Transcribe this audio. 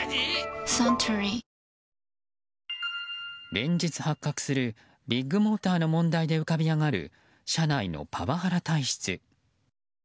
連日発覚するビッグモーターの問題で浮かび上がる社内のパワハラ体質。